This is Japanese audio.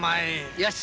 よし。